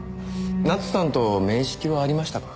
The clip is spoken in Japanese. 奈津さんと面識はありましたか？